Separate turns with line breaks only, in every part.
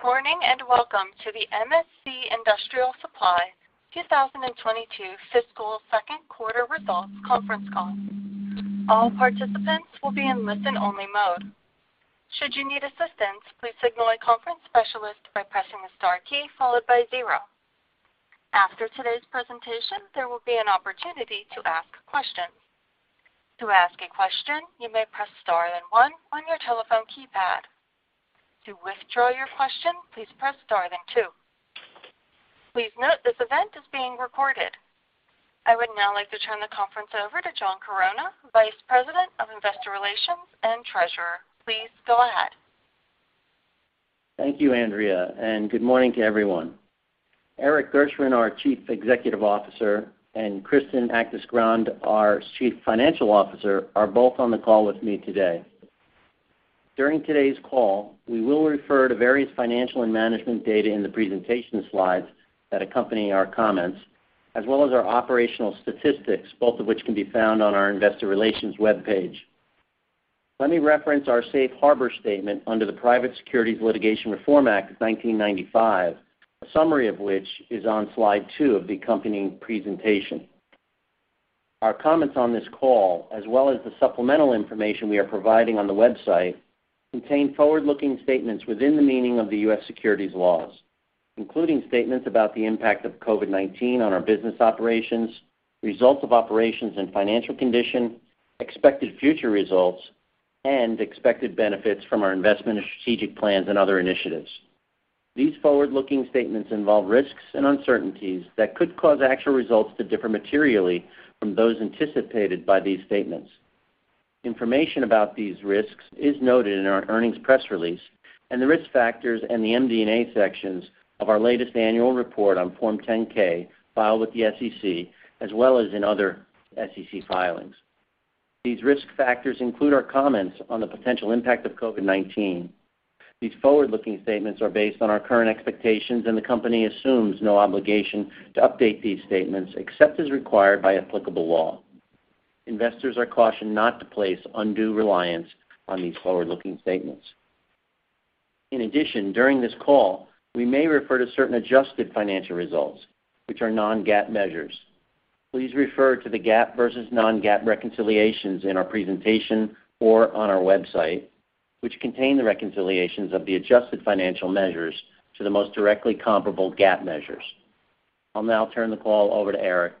Good morning, and welcome to the MSC Industrial Supply 2022 fiscal second quarter results conference call. All participants will be in listen-only mode. Should you need assistance, please signal a conference specialist by pressing the star key followed by zero. After today's presentation, there will be an opportunity to ask questions. To ask a question, you may press star then one on your telephone keypad. To withdraw your question, please press star then two. Please note this event is being recorded. I would now like to turn the conference over to John Chironna, Vice President of Investor Relations and Treasurer. Please go ahead.
Thank you, Andrea, and good morning to everyone. Erik Gershwind, our Chief Executive Officer, and Kristen Actis-Grande, our Chief Financial Officer, are both on the call with me today. During today's call, we will refer to various financial and management data in the presentation slides that accompany our comments, as well as our operational statistics, both of which can be found on our investor relations webpage. Let me reference our safe harbor statement under the Private Securities Litigation Reform Act of 1995, a summary of which is on slide two of the accompanying presentation. Our comments on this call, as well as the supplemental information we are providing on the website, contain forward-looking statements within the meaning of the U.S. securities laws, including statements about the impact of COVID-19 on our business operations, results of operations and financial condition, expected future results, and expected benefits from our investment and strategic plans and other initiatives. These forward-looking statements involve risks and uncertainties that could cause actual results to differ materially from those anticipated by these statements. Information about these risks is noted in our earnings press release and the Risk Factors and the MD&A sections of our latest annual report on Form 10-K filed with the SEC as well as in other SEC filings. These risk factors include our comments on the potential impact of COVID-19. These forward-looking statements are based on our current expectations, and the company assumes no obligation to update these statements except as required by applicable law. Investors are cautioned not to place undue reliance on these forward-looking statements. In addition, during this call, we may refer to certain adjusted financial results, which are non-GAAP measures. Please refer to the GAAP versus non-GAAP reconciliations in our presentation or on our website, which contain the reconciliations of the adjusted financial measures to the most directly comparable GAAP measures. I'll now turn the call over to Erik.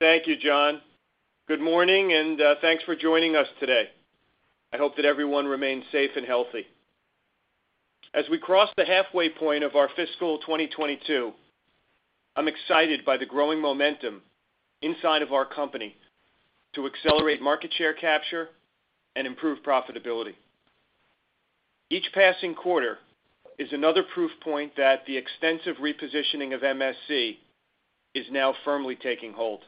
Thank you, John. Good morning, and thanks for joining us today. I hope that everyone remains safe and healthy. As we cross the halfway point of our fiscal 2022, I'm excited by the growing momentum inside of our company to accelerate market share capture and improve profitability. Each passing quarter is another proof point that the extensive repositioning of MSC is now firmly taking hold.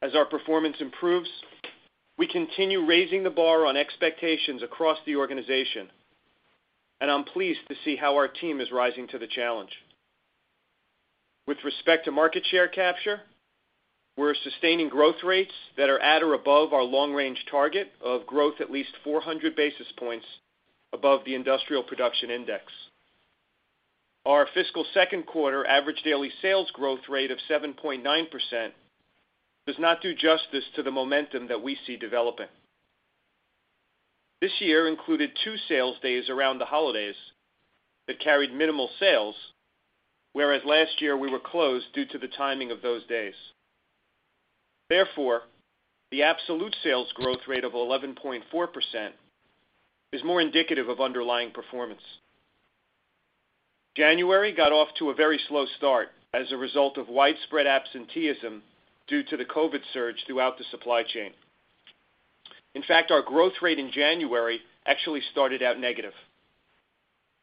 As our performance improves, we continue raising the bar on expectations across the organization, and I'm pleased to see how our team is rising to the challenge. With respect to market share capture, we're sustaining growth rates that are at or above our long-range target of growth at least 400 basis points above the Industrial Production Index. Our fiscal second quarter average daily sales growth rate of 7.9% does not do justice to the momentum that we see developing. This year included two sales days around the holidays that carried minimal sales, whereas last year we were closed due to the timing of those days. Therefore, the absolute sales growth rate of 11.4% is more indicative of underlying performance. January got off to a very slow start as a result of widespread absenteeism due to the COVID surge throughout the supply chain. In fact, our growth rate in January actually started out negative.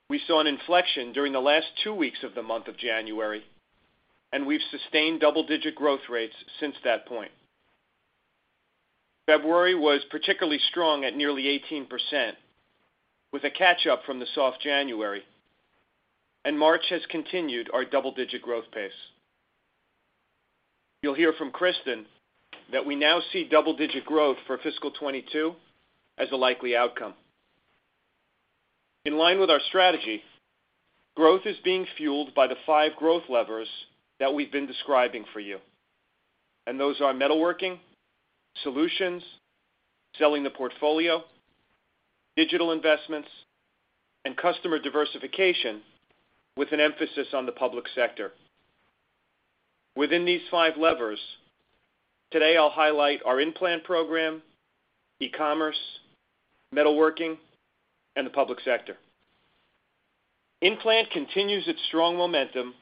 We saw an inflection during the last two weeks of the month of January, and we've sustained double-digit growth rates since that point. February was particularly strong at nearly 18%, with a catch-up from the soft January, and March has continued our double-digit growth pace. You'll hear from Kristen that we now see double-digit growth for fiscal 2022 as a likely outcome. In line with our strategy, growth is being fueled by the five growth levers that we've been describing for you. Those are metalworking, solutions, selling the portfolio, digital investments, and customer diversification with an emphasis on the public sector. Within these five levers, today I'll highlight our in-plant program, e-commerce, metalworking, and the public sector. In-plant continues its strong momentum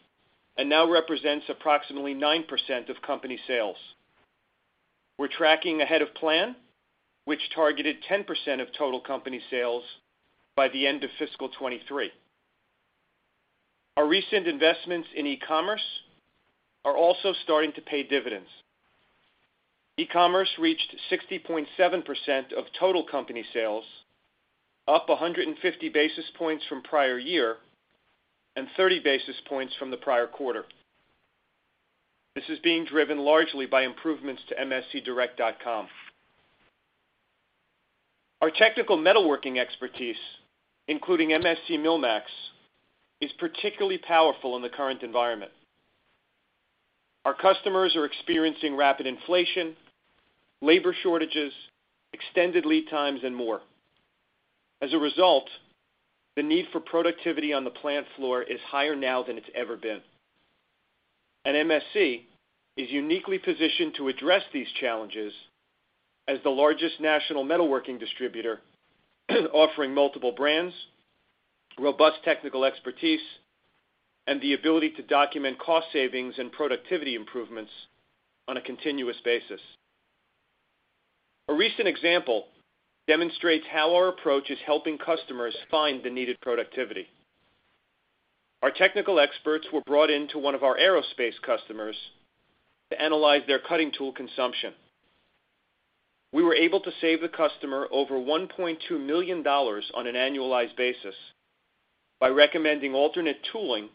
and now represents approximately 9% of company sales. We're tracking ahead of plan, which targeted 10% of total company sales by the end of fiscal 2023. Our recent investments in e-commerce are also starting to pay dividends. E-commerce reached 60.7% of total company sales, up 150 basis points from prior year and 30 basis points from the prior quarter. This is being driven largely by improvements to mscdirect.com. Our technical metalworking expertise, including MSC MillMax, is particularly powerful in the current environment. Our customers are experiencing rapid inflation, labor shortages, extended lead times, and more. As a result, the need for productivity on the plant floor is higher now than it's ever been. MSC is uniquely positioned to address these challenges as the largest national metalworking distributor offering multiple brands, robust technical expertise, and the ability to document cost savings and productivity improvements on a continuous basis. A recent example demonstrates how our approach is helping customers find the needed productivity. Our technical experts were brought into one of our aerospace customers to analyze their cutting tool consumption. We were able to save the customer over $1.2 million on an annualized basis by recommending alternate tooling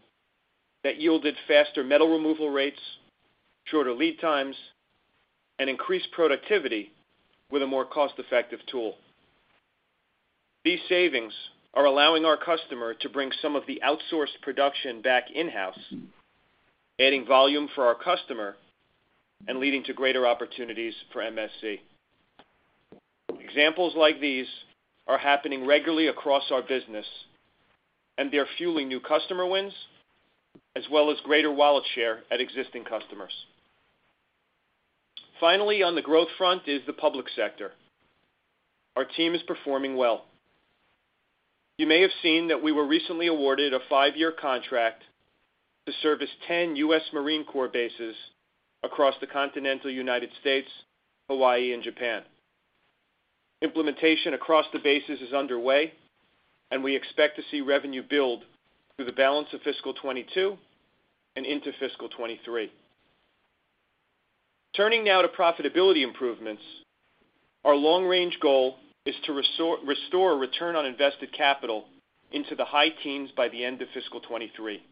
that yielded faster metal removal rates, shorter lead times, and increased productivity with a more cost-effective tool. These savings are allowing our customer to bring some of the outsourced production back in-house, adding volume for our customer and leading to greater opportunities for MSC. Examples like these are happening regularly across our business, and they're fueling new customer wins, as well as greater wallet share at existing customers. Finally, on the growth front is the public sector. Our team is performing well. You may have seen that we were recently awarded a five-year contract to service 10 U.S. Marine Corps bases across the continental United States, Hawaii, and Japan. Implementation across the bases is underway, and we expect to see revenue build through the balance of fiscal 2022 and into fiscal 2023. Turning now to profitability improvements, our long-range goal is to restore return on invested capital into the high teens by the end of fiscal 2023.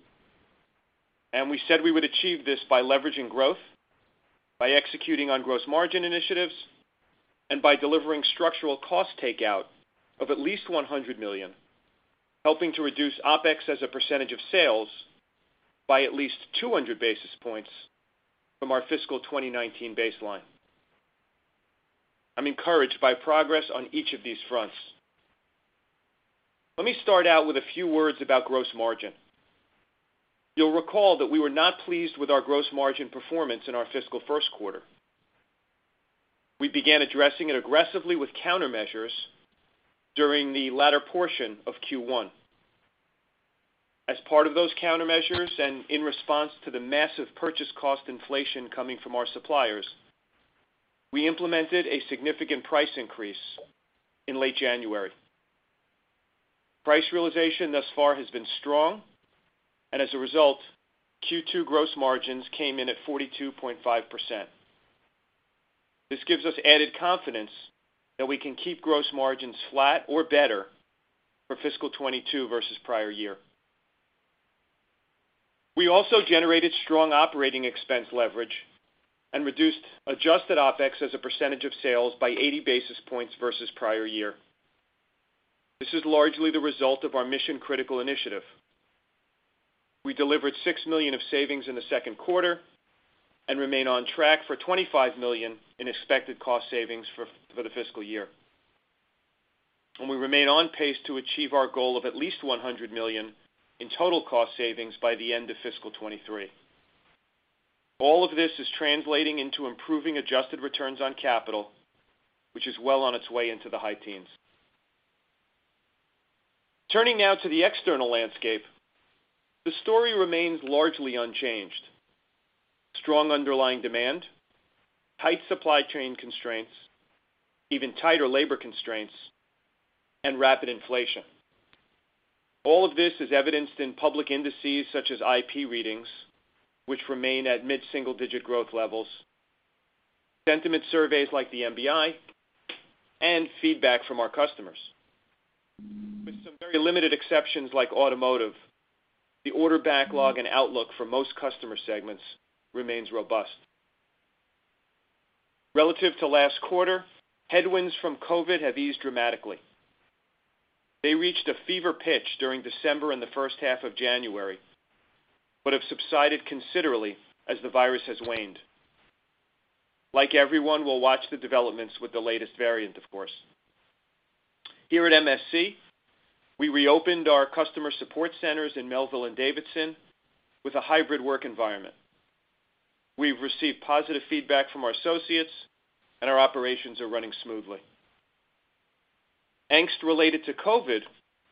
We said we would achieve this by leveraging growth, by executing on gross margin initiatives, and by delivering structural cost takeout of at least $100 million, helping to reduce OpEx as a percentage of sales by at least 200 basis points from our fiscal 2019 baseline. I'm encouraged by progress on each of these fronts. Let me start out with a few words about gross margin. You'll recall that we were not pleased with our gross margin performance in our fiscal first quarter. We began addressing it aggressively with countermeasures during the latter portion of Q1. As part of those countermeasures, and in response to the massive purchase cost inflation coming from our suppliers, we implemented a significant price increase in late January. Price realization thus far has been strong, and as a result, Q2 gross margins came in at 42.5%. This gives us added confidence that we can keep gross margins flat or better for fiscal 2022 versus prior year. We also generated strong operating expense leverage and reduced adjusted OpEx as a percentage of sales by 80 basis points versus prior year. This is largely the result of our Mission Critical initiative. We delivered $6 million of savings in the second quarter and remain on track for $25 million in expected cost savings for the fiscal year. We remain on pace to achieve our goal of at least $100 million in total cost savings by the end of fiscal 2023. All of this is translating into improving adjusted returns on capital, which is well on its way into the high teens. Turning now to the external landscape, the story remains largely unchanged. Strong underlying demand, tight supply chain constraints, even tighter labor constraints, and rapid inflation. All of this is evidenced in public indices such as IP readings, which remain at mid-single-digit growth levels, sentiment surveys like the MBI, and feedback from our customers. With some very limited exceptions like automotive, the order backlog and outlook for most customer segments remains robust. Relative to last quarter, headwinds from COVID have eased dramatically. They reached a fever pitch during December and the first half of January, but have subsided considerably as the virus has waned. Like everyone, we'll watch the developments with the latest variant, of course. Here at MSC, we reopened our customer support centers in Melville and Davidson with a hybrid work environment. We've received positive feedback from our associates, and our operations are running smoothly. Angst related to COVID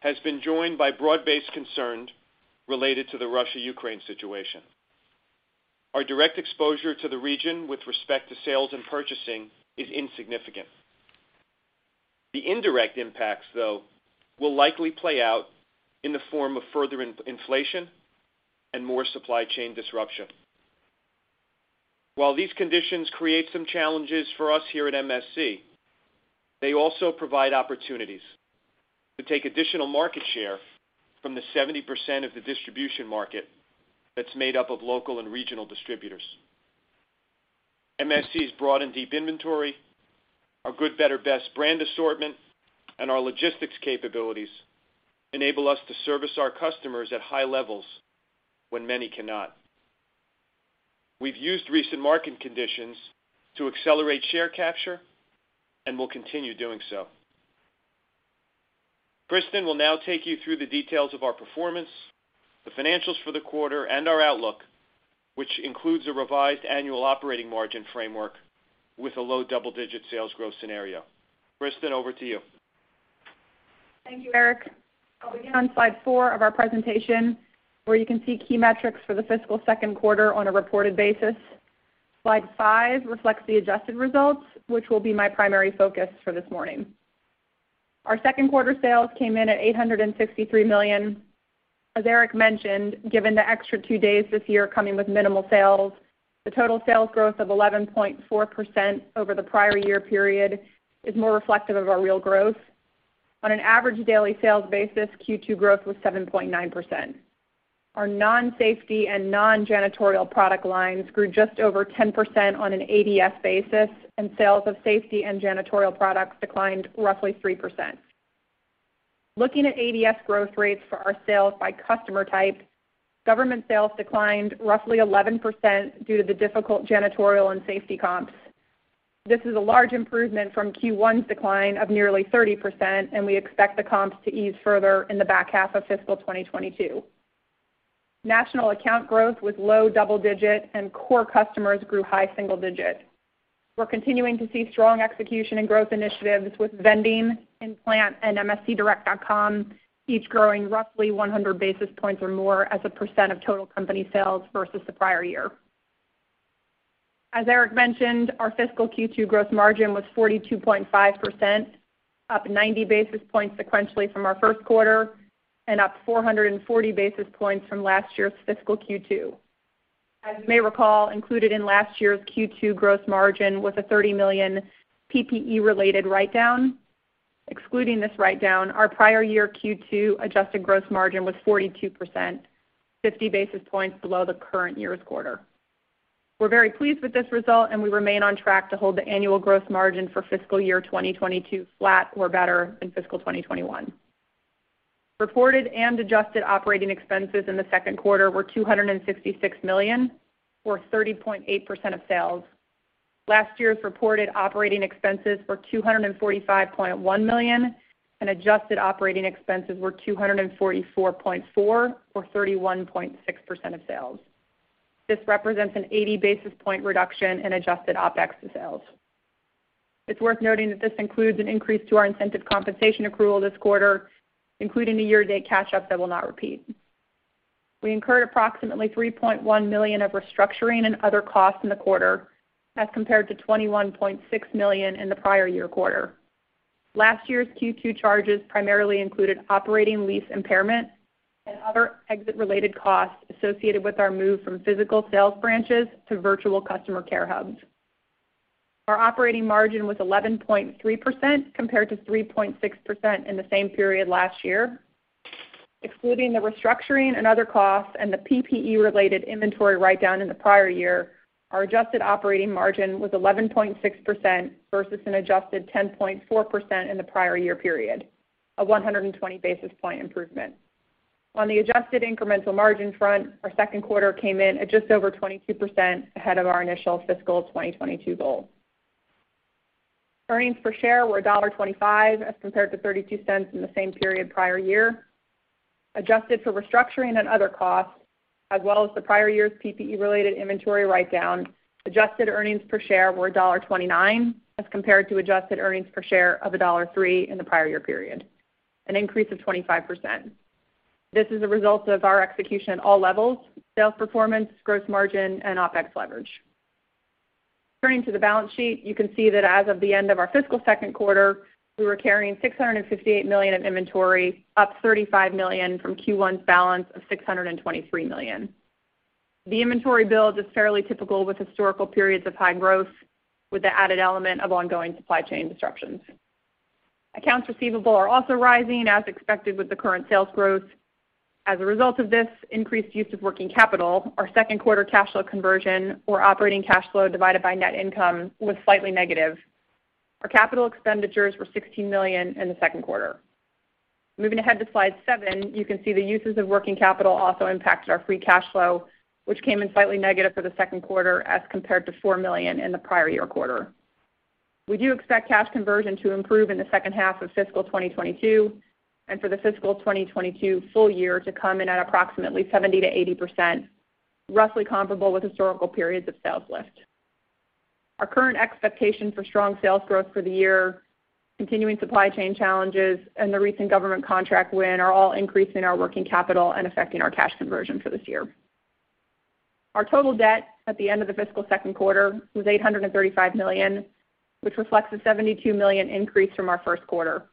has been joined by broad-based concern related to the Russia-Ukraine situation. Our direct exposure to the region with respect to sales and purchasing is insignificant. The indirect impacts, though, will likely play out in the form of further inflation and more supply chain disruption. While these conditions create some challenges for us here at MSC. They also provide opportunities to take additional market share from the 70% of the distribution market that's made up of local and regional distributors. MSC's broad and deep inventory, our good, better, best brand assortment, and our logistics capabilities enable us to service our customers at high levels when many cannot. We've used recent market conditions to accelerate share capture, and we'll continue doing so. Kristen will now take you through the details of our performance, the financials for the quarter, and our outlook, which includes a revised annual operating margin framework with a low double-digit sales growth scenario. Kristen, over to you.
Thank you, Erik. I'll begin on slide four of our presentation, where you can see key metrics for the fiscal second quarter on a reported basis. Slide five reflects the adjusted results, which will be my primary focus for this morning. Our second quarter sales came in at $863 million. As Erik mentioned, given the extra two days this year coming with minimal sales, the total sales growth of 11.4% over the prior year period is more reflective of our real growth. On an average daily sales basis, Q2 growth was 7.9%. Our non-safety and non-janitorial product lines grew just over 10% on an ADS basis, and sales of safety and janitorial products declined roughly 3%. Looking at ADS growth rates for our sales by customer type, government sales declined roughly 11% due to the difficult janitorial and safety comps. This is a large improvement from Q1's decline of nearly 30%, and we expect the comps to ease further in the back half of fiscal 2022. National account growth was low double digit and core customers grew high single digit. We're continuing to see strong execution and growth initiatives with vending, in-plant, and mscdirect.com, each growing roughly 100 basis points or more as a percent of total company sales versus the prior year. As Erik mentioned, our fiscal Q2 growth margin was 42.5%, up 90 basis points sequentially from our first quarter and up 440 basis points from last year's fiscal Q2. As you may recall, included in last year's Q2 gross margin was a $30 million PPE-related write-down. Excluding this write-down, our prior year Q2 adjusted gross margin was 42%, 50 basis points below the current year's quarter. We're very pleased with this result, and we remain on track to hold the annual gross margin for fiscal year 2022 flat or better than fiscal 2021. Reported and adjusted operating expenses in the second quarter were $266 million, or 30.8% of sales. Last year's reported operating expenses were $245.1 million, and adjusted operating expenses were $244.4 million, or 31.6% of sales. This represents an 80 basis point reduction in adjusted OpEx to sales. It's worth noting that this includes an increase to our incentive compensation accrual this quarter, including a year-date catch-up that will not repeat. We incurred approximately $3.1 million of restructuring and other costs in the quarter, as compared to $21.6 million in the prior year quarter. Last year's Q2 charges primarily included operating lease impairment and other exit-related costs associated with our move from physical sales branches to virtual customer care hubs. Our operating margin was 11.3%, compared to 3.6% in the same period last year. Excluding the restructuring and other costs and the PPE-related inventory write-down in the prior year, our adjusted operating margin was 11.6% versus an adjusted 10.4% in the prior year period, a 120 basis point improvement. On the adjusted incremental margin front, our second quarter came in at just over 22% ahead of our initial fiscal 2022 goal. Earnings per share were $1.25 as compared to 32 cents in the same period prior year. Adjusted for restructuring and other costs, as well as the prior year's PPE-related inventory write-down, adjusted earnings per share were $1.29 as compared to adjusted earnings per share of $1.03 in the prior year period, an increase of 25%. This is a result of our execution at all levels, sales performance, gross margin, and OpEx leverage. Turning to the balance sheet, you can see that as of the end of our fiscal second quarter, we were carrying $658 million in inventory, up $35 million from Q1's balance of $623 million. The inventory build is fairly typical with historical periods of high growth, with the added element of ongoing supply chain disruptions. Accounts receivable are also rising, as expected with the current sales growth. As a result of this increased use of working capital, our second quarter cash flow conversion, or operating cash flow divided by net income, was slightly negative. Our capital expenditures were $16 million in the second quarter. Moving ahead to slide seven, you can see the uses of working capital also impacted our free cash flow, which came in slightly negative for the second quarter as compared to $4 million in the prior year quarter. We do expect cash conversion to improve in the second half of fiscal 2022 and for the fiscal 2022 full year to come in at approximately 70%-80%, roughly comparable with historical periods of sales lift. Our current expectation for strong sales growth for the year, continuing supply chain challenges, and the recent government contract win are all increasing our working capital and affecting our cash conversion for this year. Our total debt at the end of the fiscal second quarter was $835 million, which reflects a $72 million increase from our first quarter.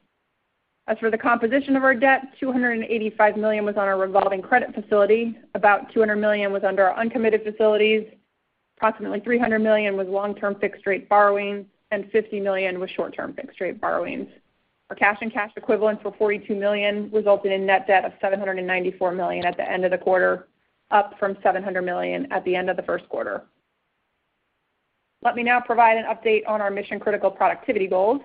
As for the composition of our debt, $285 million was on our revolving credit facility. About $200 million was under our uncommitted facilities. Approximately $300 million was long-term fixed rate borrowings, and $50 million was short-term fixed rate borrowings. Our cash and cash equivalents were $42 million, resulting in net debt of $794 million at the end of the quarter, up from $700 million at the end of the first quarter. Let me now provide an update on our Mission Critical productivity goals.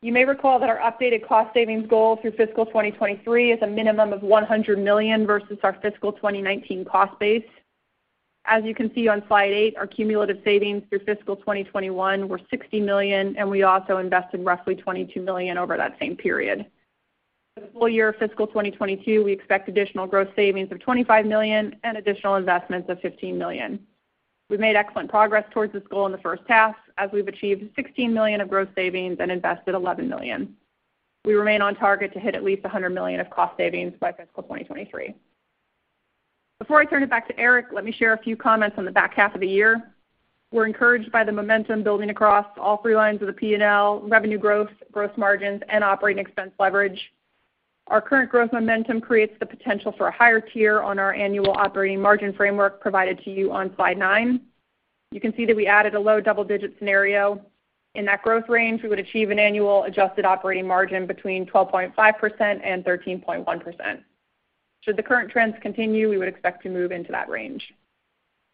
You may recall that our updated cost savings goal through fiscal 2023 is a minimum of $100 million versus our fiscal 2019 cost base. As you can see on slide eight, our cumulative savings through fiscal 2021 were $60 million, and we also invested roughly $22 million over that same period. For the full year of fiscal 2022, we expect additional gross savings of $25 million and additional investments of $15 million. We've made excellent progress towards this goal in the first half as we've achieved $16 million of gross savings and invested $11 million. We remain on target to hit at least $100 million of cost savings by fiscal 2023. Before I turn it back to Erik, let me share a few comments on the back half of the year. We're encouraged by the momentum building across all three lines of the P&L, revenue growth, gross margins, and operating expense leverage. Our current growth momentum creates the potential for a higher tier on our annual operating margin framework provided to you on slide nine. You can see that we added a low double-digit scenario. In that growth range, we would achieve an annual adjusted operating margin between 12.5% and 13.1%. Should the current trends continue, we would expect to move into that range.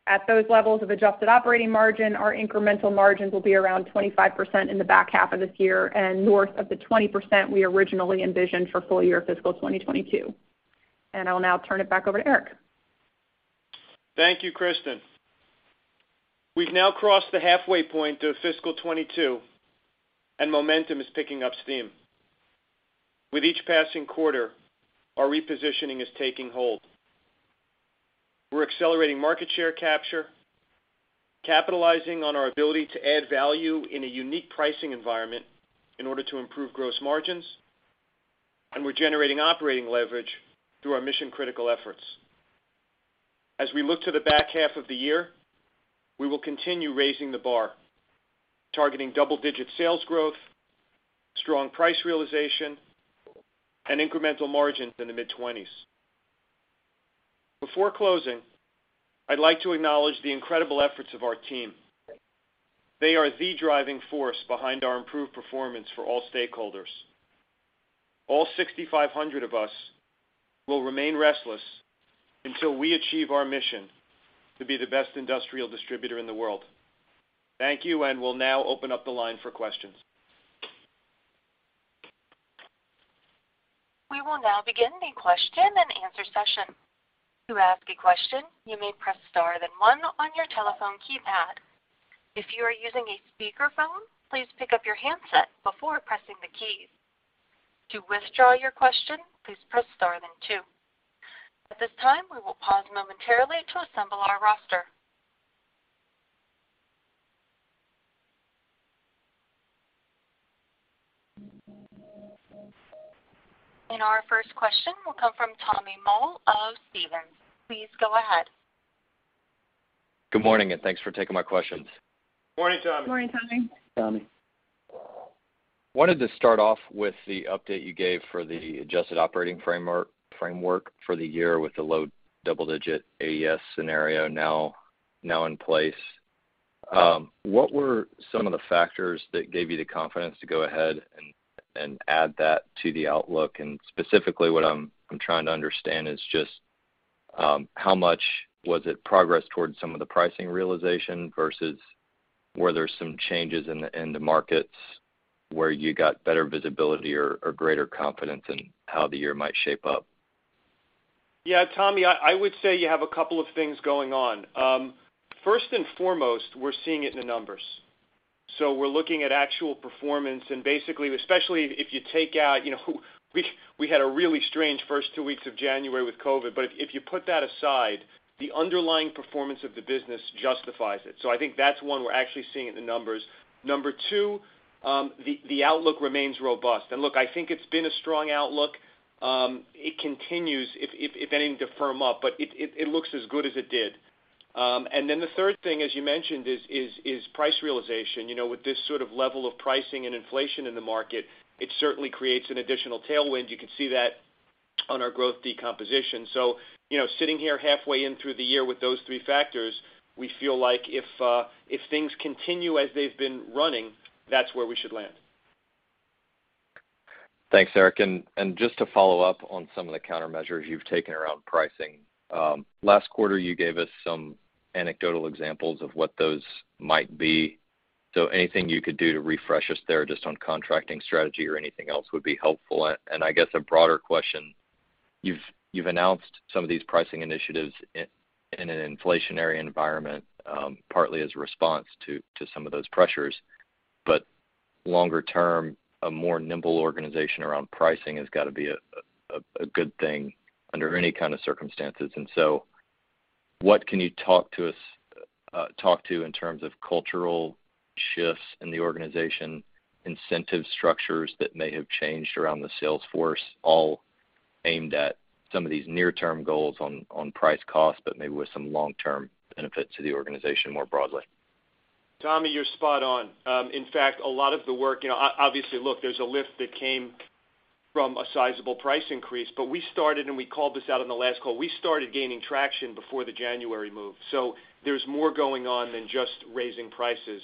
At those levels of adjusted operating margin, our incremental margins will be around 25% in the back half of this year and north of the 20% we originally envisioned for full year fiscal 2022. I will now turn it back over to Erik.
Thank you, Kristen. We've now crossed the halfway point through fiscal 2022, and momentum is picking up steam. With each passing quarter, our repositioning is taking hold. We're accelerating market share capture, capitalizing on our ability to add value in a unique pricing environment in order to improve gross margins, and we're generating operating leverage through our Mission Critical efforts. As we look to the back half of the year, we will continue raising the bar, targeting double-digit sales growth, strong price realization, and incremental margins in the mid-20s%. Before closing, I'd like to acknowledge the incredible efforts of our team. They are the driving force behind our improved performance for all stakeholders. All 6,500 of us will remain restless until we achieve our mission to be the best industrial distributor in the world. Thank you, and we'll now open up the line for questions.
We will now begin the question-and-answer session. To ask a question, you may press star then one on your telephone keypad. If you are using a speakerphone, please pick up your handset before pressing the keys. To withdraw your question, please press star then two. At this time, we will pause momentarily to assemble our roster. Our first question will come from Tommy Moll of Stephens. Please go ahead.
Good morning, and thanks for taking my questions.
Morning, Tommy.
Morning, Tommy.
Tommy.
wanted to start off with the update you gave for the adjusted operating framework for the year with the low double-digit AES scenario now in place. What were some of the factors that gave you the confidence to go ahead and add that to the outlook? Specifically, what I'm trying to understand is just how much was it progress towards some of the pricing realization versus were there some changes in the markets where you got better visibility or greater confidence in how the year might shape up?
Yeah, Tommy, I would say you have a couple of things going on. First and foremost, we're seeing it in the numbers. We're looking at actual performance, and basically, especially if you take out, you know, we had a really strange first two weeks of January with COVID. If you put that aside, the underlying performance of the business justifies it. I think that's one we're actually seeing in the numbers. Number two, the outlook remains robust. Look, I think it's been a strong outlook. It continues if anything to firm up, but it looks as good as it did. The third thing, as you mentioned, is price realization. You know, with this sort of level of pricing and inflation in the market, it certainly creates an additional tailwind. You can see that on our growth decomposition. You know, sitting here halfway into the year with those three factors, we feel like if things continue as they've been running, that's where we should land.
Thanks, Erik. Just to follow up on some of the countermeasures you've taken around pricing. Last quarter, you gave us some anecdotal examples of what those might be. Anything you could do to refresh us there just on contracting strategy or anything else would be helpful. I guess a broader question, you've announced some of these pricing initiatives in an inflationary environment, partly as a response to some of those pressures. Longer term, a more nimble organization around pricing has gotta be a good thing under any kind of circumstances. What can you talk to us in terms of cultural shifts in the organization, incentive structures that may have changed around the sales force, all aimed at some of these near-term goals on price cost, but maybe with some long-term benefit to the organization more broadly?
Tommy, you're spot on. In fact, a lot of the work, you know, obviously, look, there's a lift that came from a sizable price increase, but we started, and we called this out on the last call, we started gaining traction before the January move. There's more going on than just raising prices.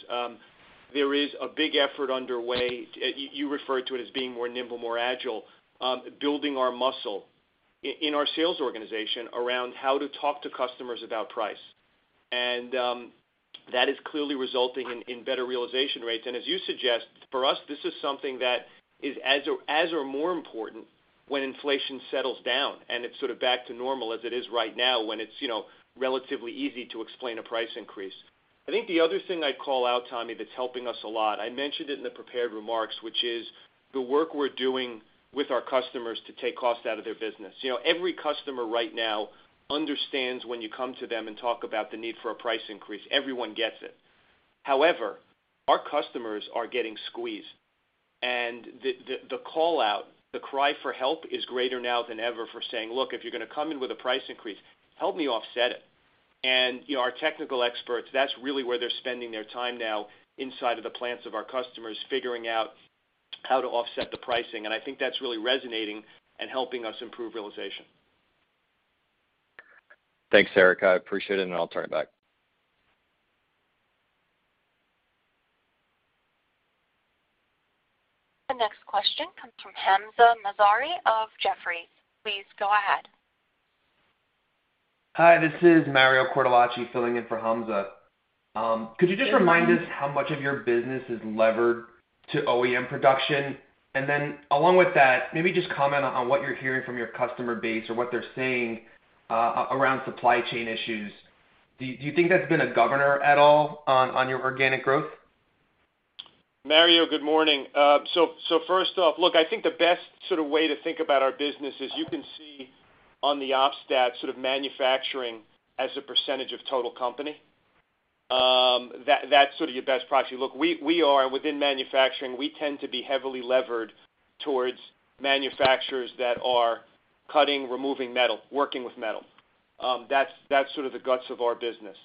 There is a big effort underway, you referred to it as being more nimble, more agile, building our muscle in our sales organization around how to talk to customers about price. That is clearly resulting in better realization rates. As you suggest, for us, this is something that is as or more important when inflation settles down and it's sort of back to normal as it is right now when it's, you know, relatively easy to explain a price increase. I think the other thing I'd call out, Tommy, that's helping us a lot. I mentioned it in the prepared remarks, which is the work we're doing with our customers to take cost out of their business. You know, every customer right now understands when you come to them and talk about the need for a price increase. Everyone gets it. However, our customers are getting squeezed. The call out, the cry for help is greater now than ever for saying, "Look, if you're gonna come in with a price increase, help me offset it." You know, our technical experts, that's really where they're spending their time now inside of the plants of our customers, figuring out how to offset the pricing. I think that's really resonating and helping us improve realization.
Thanks, Erik. I appreciate it, and I'll turn it back. The next question comes from Hamzah Mazari of Jefferies. Please go ahead.
Hi, this is Mario Cortellacci filling in for Hamzah. Could you just remind us how much of your business is levered to OEM production? Along with that, maybe just comment on what you're hearing from your customer base or what they're saying around supply chain issues. Do you think that's been a governor at all on your organic growth?
Mario, good morning. First off, look, I think the best sort of way to think about our business is you can see on the op stat sort of manufacturing as a percentage of total company. That's sort of your best proxy. Look, we are within manufacturing, we tend to be heavily levered towards manufacturers that are cutting, removing metal, working with metal. That's sort of the guts of our business.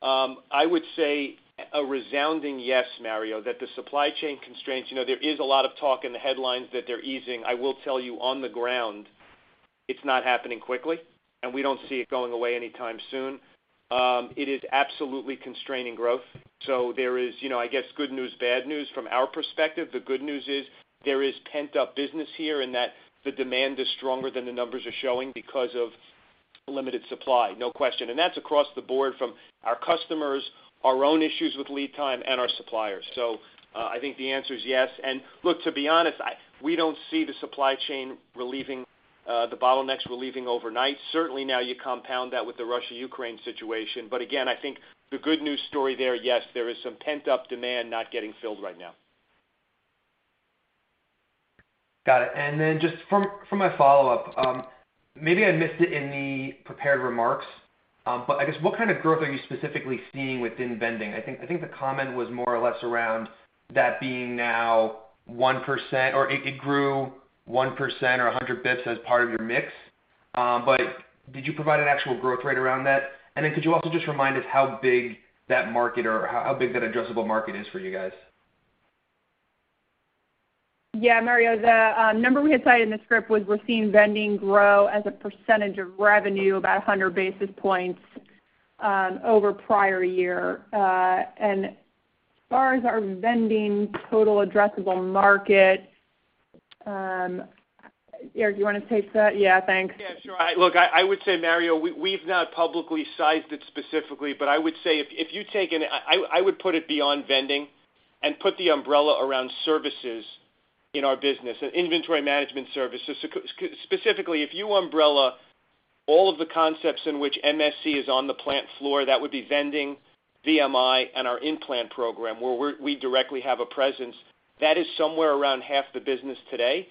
I would say a resounding yes, Mario, that the supply chain constraints, you know, there is a lot of talk in the headlines that they're easing. I will tell you on the ground, it's not happening quickly, and we don't see it going away anytime soon. It is absolutely constraining growth. There is, you know, I guess, good news, bad news from our perspective. The good news is there is pent-up business here and that the demand is stronger than the numbers are showing because of limited supply, no question. That's across the board from our customers, our own issues with lead time, and our suppliers. I think the answer is yes. Look, to be honest, we don't see the supply chain relieving, the bottlenecks relieving overnight. Certainly, now you compound that with the Russia-Ukraine situation. Again, I think the good news story there, yes, there is some pent-up demand not getting filled right now.
Got it. Just for my follow-up, maybe I missed it in the prepared remarks, but I guess what kind of growth are you specifically seeing within vending? I think the comment was more or less around that being now 1%, or it grew 1% or 100 basis points as part of your mix. Did you provide an actual growth rate around that? Could you also just remind us how big that market or how big that addressable market is for you guys?
Yeah, Mario, the number we had cited in the script was we're seeing vending grow as a percentage of revenue about 100 basis points over prior year. As far as our vending total addressable market, Erik, do you wanna take that? Yeah. Thanks.
Yeah, sure. Look, I would say, Mario, we've not publicly sized it specifically, but I would say, I would put it beyond vending and put the umbrella around services in our business and inventory management services. Specifically, if you umbrella all of the concepts in which MSC is on the plant floor, that would be vending, VMI, and our in-plant program, where we directly have a presence. That is somewhere around half the business today.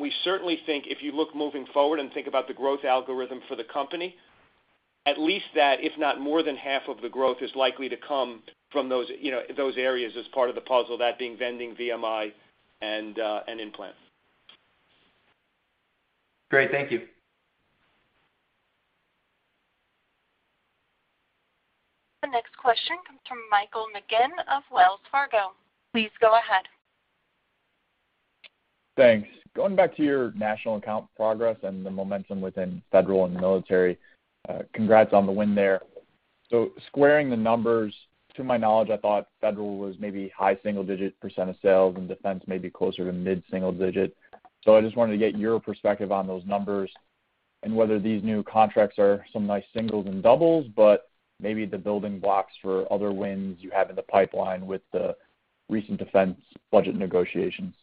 We certainly think if you look moving forward and think about the growth algorithm for the company, at least that, if not more than half of the growth is likely to come from those, you know, those areas as part of the puzzle, that being vending, VMI, and in-plant.
Great. Thank you.
The next question comes from Michael McGinn of Wells Fargo. Please go ahead.
Thanks. Going back to your national account progress and the momentum within federal and the military, congrats on the win there. Squaring the numbers, to my knowledge, I thought federal was maybe high single-digit % of sales and defense may be closer to mid-single-digit. I just wanted to get your perspective on those numbers and whether these new contracts are some nice singles and doubles, but maybe the building blocks for other wins you have in the pipeline with the recent defense budget negotiations.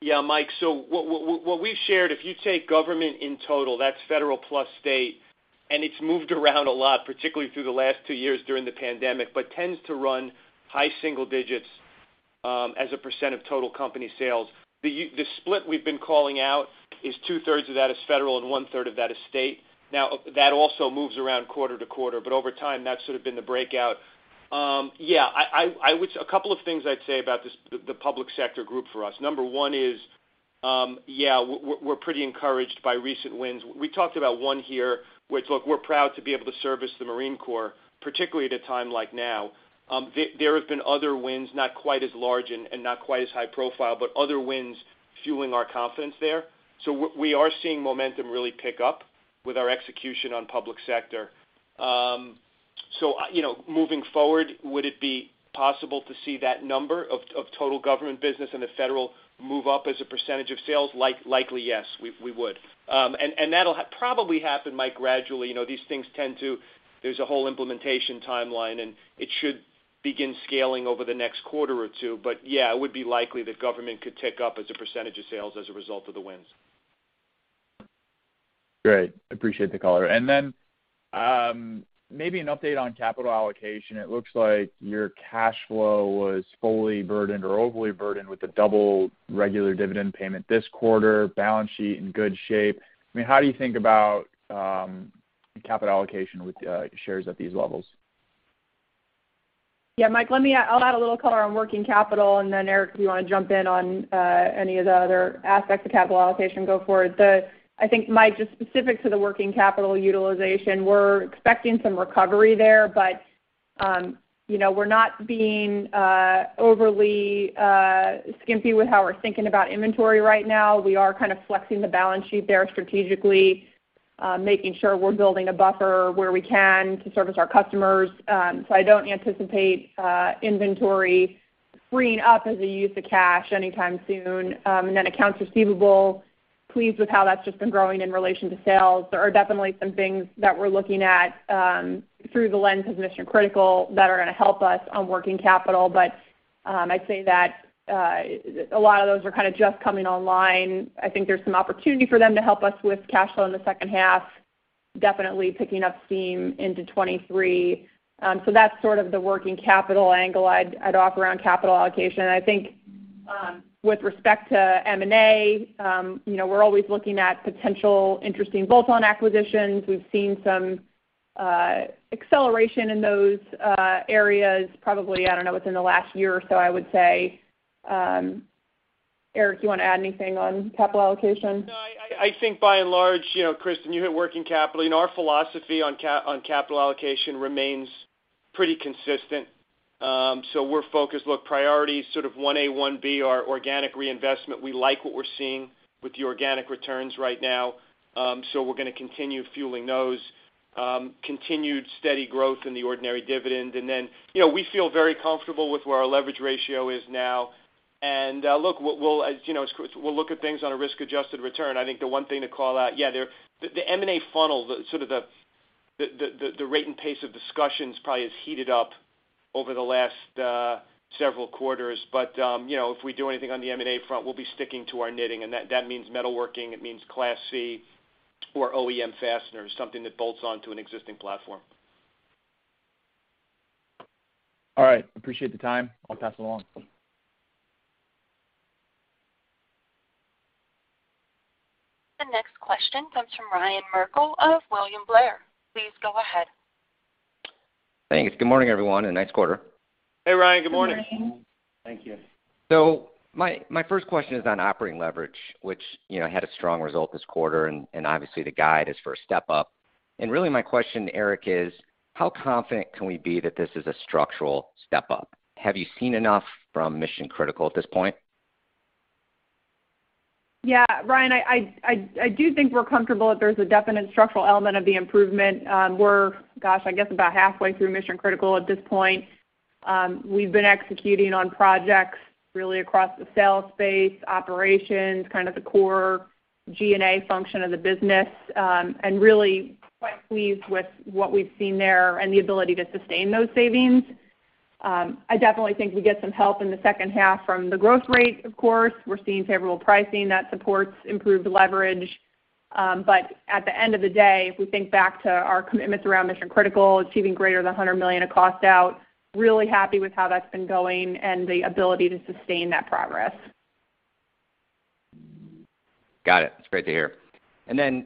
Yeah, Mike. What we've shared, if you take government in total, that's federal plus state, and it's moved around a lot, particularly through the last two years during the pandemic, but tends to run high single digits as a percent of total company sales. The split we've been calling out is two-thirds of that is federal and one-third of that is state. Now, that also moves around quarter to quarter, but over time, that's sort of been the breakout. Yeah. I would, a couple of things I'd say about this, the public sector group for us. Number one is. Yeah, we're pretty encouraged by recent wins. We talked about one here, which, look, we're proud to be able to service the Marine Corps, particularly at a time like now. There have been other wins, not quite as large and not quite as high profile, but other wins fueling our confidence there. We are seeing momentum really pick up with our execution on public sector. You know, moving forward, would it be possible to see that number of total government business and the federal move up as a percentage of sales? Likely, yes, we would. That'll probably happen, Mike, gradually. You know, these things tend to. There's a whole implementation timeline, and it should begin scaling over the next quarter or two. Yeah, it would be likely that government could tick up as a percentage of sales as a result of the wins.
Great. Appreciate the color. Maybe an update on capital allocation. It looks like your cash flow was fully burdened or overly burdened with the double regular dividend payment this quarter, balance sheet in good shape. I mean, how do you think about capital allocation with shares at these levels?
Yeah, Mike, I'll add a little color on working capital, and then Erik, if you wanna jump in on any of the other aspects of capital allocation, go for it. I think, Mike, just specific to the working capital utilization, we're expecting some recovery there, but you know, we're not being overly skimpy with how we're thinking about inventory right now. We are kind of flexing the balance sheet there strategically, making sure we're building a buffer where we can to service our customers. I don't anticipate inventory freeing up as a use of cash anytime soon. And then accounts receivable, pleased with how that's just been growing in relation to sales. There are definitely some things that we're looking at through the lens of Mission Critical that are gonna help us on working capital. I'd say that a lot of those are kinda just coming online. I think there's some opportunity for them to help us with cash flow in the second half, definitely picking up steam into 2023. So that's sort of the working capital angle I'd offer around capital allocation. I think with respect to M&A, you know, we're always looking at potential interesting bolt-on acquisitions. We've seen some acceleration in those areas probably, I don't know, within the last year or so, I would say. Erik, you wanna add anything on capital allocation?
No, I think by and large, you know, Kristen, you hit working capital. You know, our philosophy on capital allocation remains pretty consistent. We're focused. Look, priorities sort of one A, one B are organic reinvestment. We like what we're seeing with the organic returns right now, we're gonna continue fueling those. Continued steady growth in the ordinary dividend. You know, we feel very comfortable with where our leverage ratio is now. Look, we'll, as you know, as Kristen, we'll look at things on a risk-adjusted return. I think the one thing to call out, the M&A funnel, the sort of the rate and pace of discussions probably has heated up over the last several quarters. you know, if we do anything on the M&A front, we'll be sticking to our knitting, and that means metalworking, it means Class C or OEM fasteners, something that bolts onto an existing platform.
All right. Appreciate the time. I'll pass it along.
The next question comes from Ryan Merkel of William Blair. Please go ahead.
Thanks. Good morning, everyone, and nice quarter.
Hey, Ryan. Good morning.
Good morning.
Thank you.
My first question is on operating leverage, which, you know, had a strong result this quarter, and obviously the guide is for a step-up. Really my question, Erik, is how confident can we be that this is a structural step-up? Have you seen enough from Mission Critical at this point?
Yeah, Ryan, I do think we're comfortable that there's a definite structural element of the improvement. We're, gosh, I guess about halfway through Mission Critical at this point. We've been executing on projects really across the sales space, operations, kind of the core G&A function of the business, and really quite pleased with what we've seen there and the ability to sustain those savings. I definitely think we get some help in the second half from the growth rate, of course. We're seeing favorable pricing that supports improved leverage. But at the end of the day, if we think back to our commitments around Mission Critical, achieving greater than $100 million of cost out, really happy with how that's been going and the ability to sustain that progress.
Got it. It's great to hear.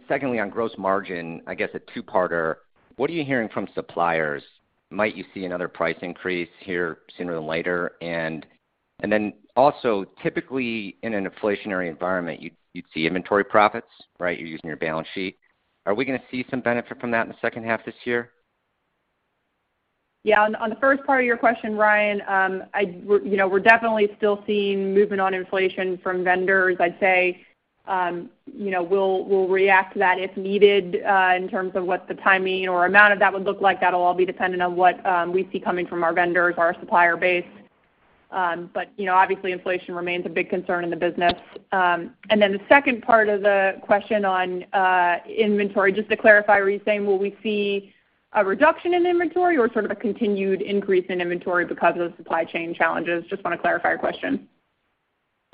Secondly, on gross margin, I guess a two-parter, what are you hearing from suppliers? Might you see another price increase here sooner than later? Then also, typically in an inflationary environment, you'd see inventory profits, right? You're using your balance sheet. Are we gonna see some benefit from that in the second half this year?
Yeah. On the first part of your question, Ryan, you know, we're definitely still seeing movement on inflation from vendors. I'd say, you know, we'll react to that if needed, in terms of what the timing or amount of that would look like. That'll all be dependent on what we see coming from our vendors, our supplier base. You know, obviously inflation remains a big concern in the business. Then the second part of the question on inventory, just to clarify, were you saying will we see a reduction in inventory or sort of a continued increase in inventory because of the supply chain challenges? Just wanna clarify your question.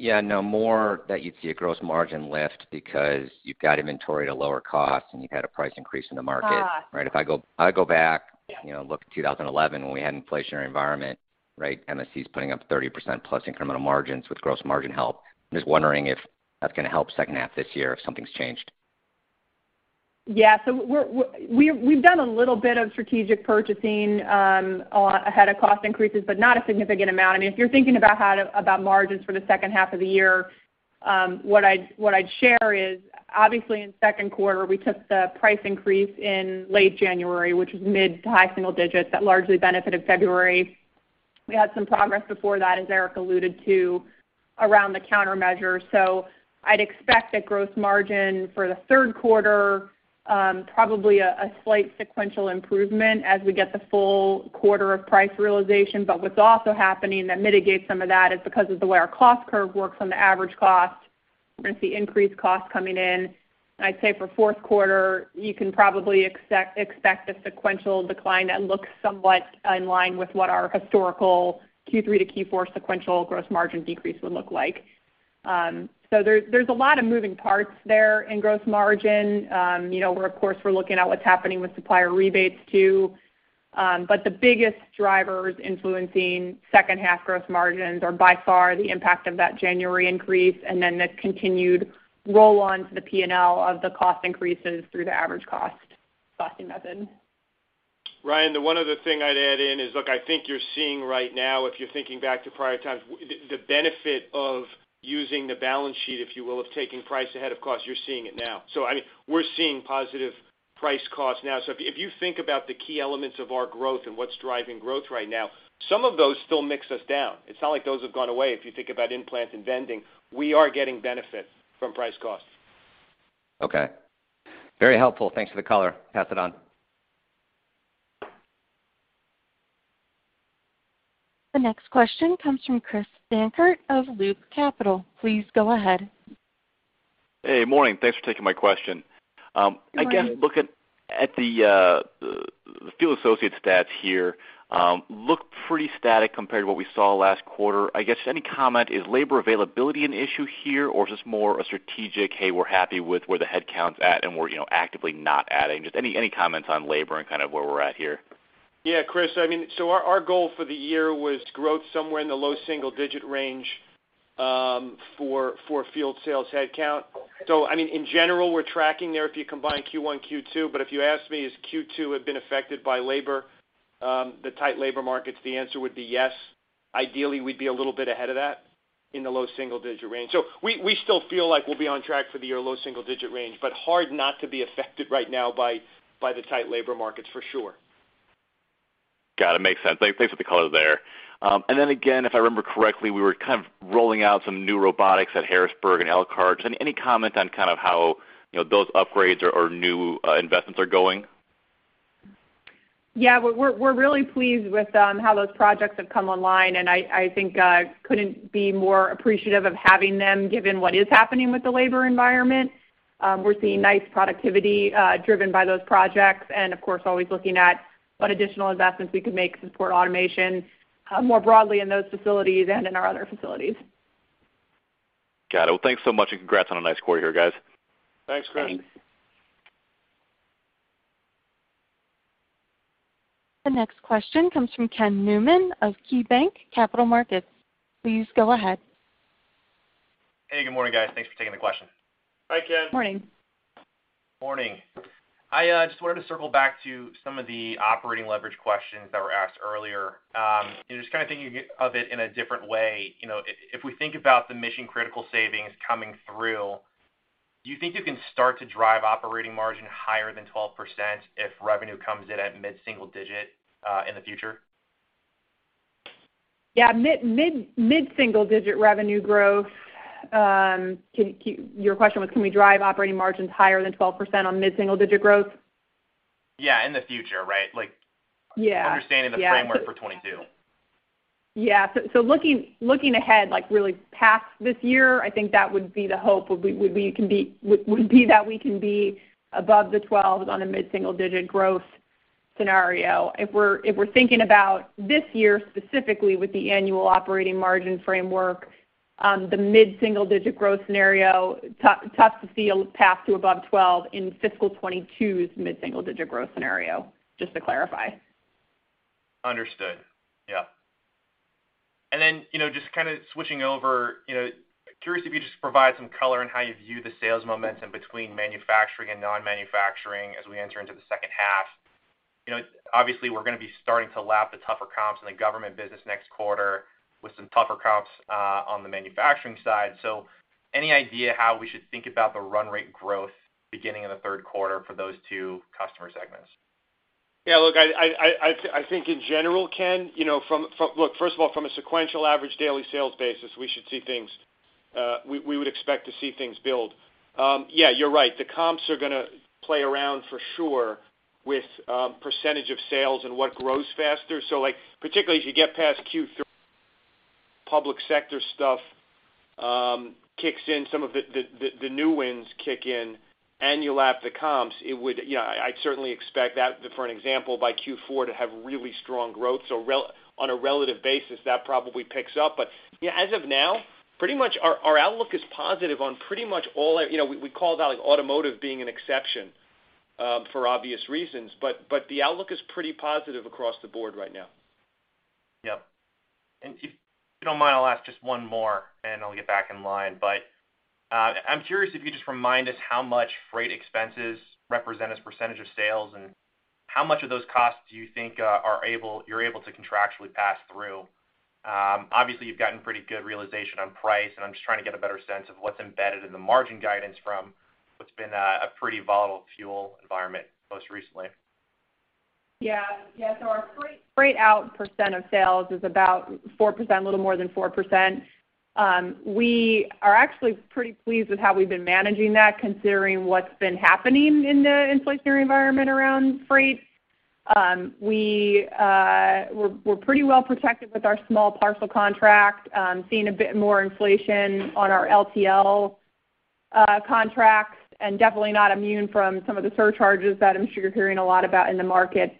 Yeah, no, more that you'd see a gross margin lift because you've got inventory at a lower cost and you've had a price increase in the market.
Ah.
Right? If I go back.
Yeah
You know, look at 2011 when we had an inflationary environment, right? MSC's putting up 30%+ incremental margins with gross margin help. I'm just wondering if that's gonna help second half this year, if something's changed?
We've done a little bit of strategic purchasing ahead of cost increases, but not a significant amount. I mean, if you're thinking about margins for the second half of the year, what I'd share is, obviously in second quarter, we took the price increase in late January, which was mid- to high single digits that largely benefited February. We had some progress before that, as Erik alluded to, around the countermeasures. I'd expect that gross margin for the third quarter probably a slight sequential improvement as we get the full quarter of price realization. What's also happening that mitigates some of that is because of the way our cost curve works on the average cost, we're gonna see increased costs coming in. I'd say for fourth quarter, you can probably expect a sequential decline that looks somewhat in line with what our historical Q3 to Q4 sequential gross margin decrease would look like. So there's a lot of moving parts there in gross margin. You know, we're of course looking at what's happening with supplier rebates too. But the biggest drivers influencing second half gross margins are by far the impact of that January increase, and then the continued roll-on to the P&L of the cost increases through the average cost costing method.
Ryan, the one other thing I'd add in is, look, I think you're seeing right now, if you're thinking back to prior times, the benefit of using the balance sheet, if you will, of taking price ahead of cost, you're seeing it now. I mean, we're seeing positive price costs now. If you think about the key elements of our growth and what's driving growth right now, some of those still mix us down. It's not like those have gone away. If you think about in-plant and vending, we are getting benefit from price cost.
Okay. Very helpful. Thanks for the color. Pass it on.
The next question comes from Chris Dankert of Loop Capital. Please go ahead.
Hey. Morning. Thanks for taking my question.
Morning.
I guess looking at the field associate stats here, look pretty static compared to what we saw last quarter. I guess any comment, is labor availability an issue here, or just more a strategic, "Hey, we're happy with where the headcount's at, and we're, you know, actively not adding." Just any comments on labor and kind of where we're at here?
Yeah, Chris. I mean, our goal for the year was growth somewhere in the low single digit range for field sales headcount. I mean, in general, we're tracking there if you combine Q1, Q2, but if you ask me, is Q2 have been affected by labor, the tight labor markets? The answer would be yes. Ideally, we'd be a little bit ahead of that in the low single digit range. We still feel like we'll be on track for the year low single digit range, but hard not to be affected right now by the tight labor markets for sure.
Got it. Makes sense. Thanks for the color there. Then again, if I remember correctly, we were kind of rolling out some new robotics at Harrisburg and Elkhart. Any comment on kind of how, you know, those upgrades or new investments are going?
Yeah. We're really pleased with how those projects have come online, and I think couldn't be more appreciative of having them given what is happening with the labor environment. We're seeing nice productivity driven by those projects and of course, always looking at what additional investments we could make to support automation more broadly in those facilities and in our other facilities.
Got it. Well, thanks so much, and congrats on a nice quarter here, guys.
Thanks, Chris.
Thanks.
The next question comes from Ken Newman of KeyBanc Capital Markets. Please go ahead.
Hey, good morning, guys. Thanks for taking the question.
Hi, Ken.
Morning.
Morning. I just wanted to circle back to some of the operating leverage questions that were asked earlier. Just kind of thinking of it in a different way, you know, if we think about the Mission Critical savings coming through, do you think you can start to drive operating margin higher than 12% if revenue comes in at mid-single digit in the future?
Yeah. Mid-single digit revenue growth, your question was, can we drive operating margins higher than 12% on mid-single digit growth?
Yeah, in the future, right?
Yeah.
Understanding the framework for 2022.
Looking ahead, like really past this year, I think that would be the hope that we can be above 12% on a mid-single digit growth scenario. If we're thinking about this year specifically with the annual operating margin framework, the mid-single digit growth scenario, tough to see a path to above 12% in fiscal 2022's mid-single digit growth scenario, just to clarify.
Understood. Yeah. Then, you know, just kinda switching over, you know, curious if you just provide some color on how you view the sales momentum between manufacturing and non-manufacturing as we enter into the second half. You know, obviously we're gonna be starting to lap the tougher comps in the government business next quarter with some tougher comps on the manufacturing side. Any idea how we should think about the run rate growth beginning in the third quarter for those two customer segments?
Yeah. Look, I think in general, Ken, you know, from a sequential average daily sales basis, we should see things. We would expect to see things build. Yeah, you're right. The comps are gonna play around for sure with percentage of sales and what grows faster. Like, particularly as you get past Q3, public sector stuff kicks in, some of the new wins kick in, and you lap the comps. It would, you know. I'd certainly expect that for example, by Q4 to have really strong growth. On a relative basis, that probably picks up. You know, as of now, pretty much our outlook is positive on pretty much all our. You know, we called out like automotive being an exception, for obvious reasons, but the outlook is pretty positive across the board right now.
Yep. If you don't mind, I'll ask just one more, and I'll get back in line. I'm curious if you could just remind us how much freight expenses represent as percentage of sales, and how much of those costs do you think are able to contractually pass through? Obviously, you've gotten pretty good realization on price, and I'm just trying to get a better sense of what's embedded in the margin guidance from what's been a pretty volatile fuel environment most recently.
Our freight out % of sales is about 4%, a little more than 4%. We are actually pretty pleased with how we've been managing that considering what's been happening in the inflationary environment around freight. We're pretty well protected with our small parcel contract. Seeing a bit more inflation on our LTL contracts, and definitely not immune from some of the surcharges that I'm sure you're hearing a lot about in the market.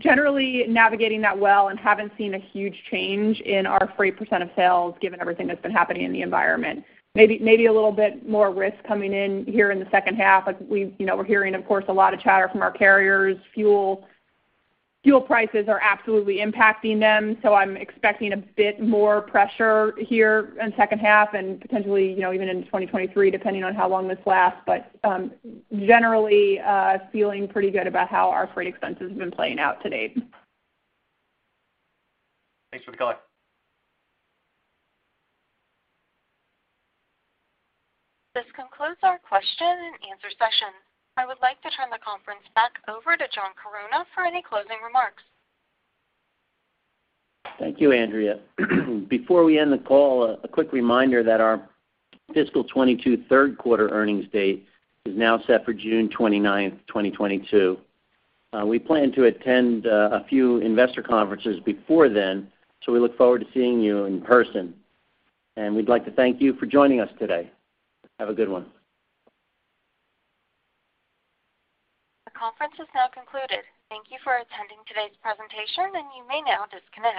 Generally navigating that well and haven't seen a huge change in our freight % of sales given everything that's been happening in the environment. Maybe a little bit more risk coming in here in the second half. Like we, you know, we're hearing, of course, a lot of chatter from our carriers. Fuel, fuel prices are absolutely impacting them, so I'm expecting a bit more pressure here in second half and potentially, you know, even into 2023, depending on how long this lasts. But, generally, feeling pretty good about how our freight expenses have been playing out to date.
Thanks for the color.
This concludes our question and answer session. I would like to turn the conference back over to John Chironna for any closing remarks.
Thank you, Andrea. Before we end the call, a quick reminder that our fiscal 2022 third quarter earnings date is now set for June 29, 2022. We plan to attend a few investor conferences before then, so we look forward to seeing you in person. We'd like to thank you for joining us today. Have a good one.
The conference has now concluded. Thank you for attending today's presentation, and you may now disconnect.